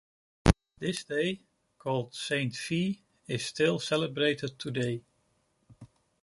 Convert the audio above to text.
This day, called Saint V is still celebrated today.